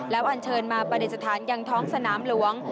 แล้วอันเชิญมาประเด็จฐานยังท้องสนามหลวง